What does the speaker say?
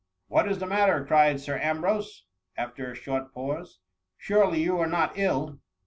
'* What is the matter ?"" cried Sir Ambrose, after a short pause ;surely you are not ill